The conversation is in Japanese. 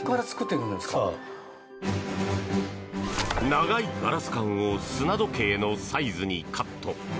長いガラス管を砂時計のサイズにカット。